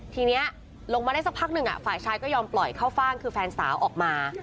ทีนี้ลงมาได้สักพักหนึ่งฝ่ายชายก็ยอมปล่อยเข้าฟ่างคือแฟนสาวออกมา